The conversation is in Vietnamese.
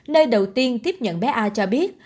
nơi đầu tiên tiếp nhận bé a cho biết